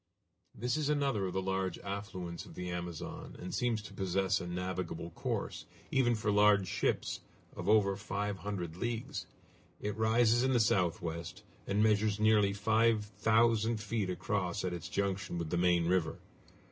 This is another of the large affluents of the Amazon, and seems to possess a navigable course, even for large ships, of over five hundred leagues. It rises in the southwest, and measures nearly five thousand feet across at its junction with the main river.